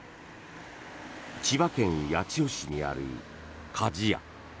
千葉県八千代市にある加治屋。